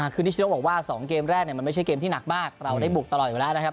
คือนิชโนบอกว่า๒เกมแรกมันไม่ใช่เกมที่หนักมากเราได้บุกตลอดอยู่แล้วนะครับ